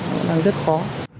nó rất khó